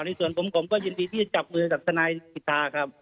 ที่สุดผมก็ยินที่ที่จะจับมือกับทนายศิษฐาครับ